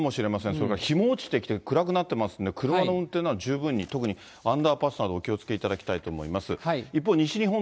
それから日も落ちてきて、暗くなってますんで、車の運転など十分に、特にアンダーパスなど、お気をつけいただきたいと思います。